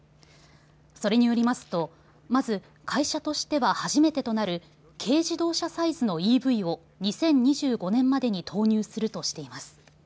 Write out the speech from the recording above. それによりますとまず会社としては初めてとなる軽自動車サイズのＥＶを２０２５年までに投入するとしています。